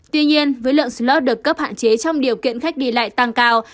tuy nhiên với lượng slus được cấp hạn chế trong điều kiện khách đi lại tăng cao